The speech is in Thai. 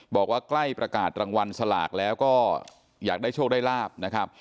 บอกว่าใกล้ประกาศรางวัลสลากแล้วก็อยากได้โชคได้ลาบนะครับ